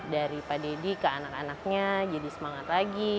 dari pak deddy ke anak anaknya jadi semangat lagi